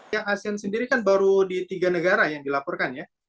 yang asean sendiri kan baru di tiga negara yang dilaporkan ya